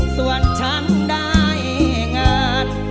ส่วนฉันได้งาน